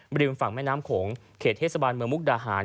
ริมฝั่งแม่น้ำโขงเขตเทศบาลเมืองมุกดาหาร